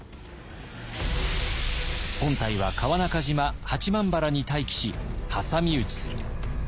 本体は川中島・八幡原に待機し挟み撃ちする。